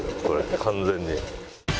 これ完全に。